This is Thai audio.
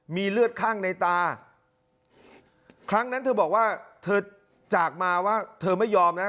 มีเลือดข้างในตาครั้งนั้นเธอบอกว่าเธอจากมาว่าเธอไม่ยอมนะ